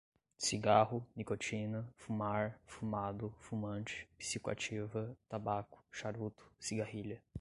cigarro, nicotina, fumar, fumado, fumante, psicoativa, tabaco, charuto, cigarrilha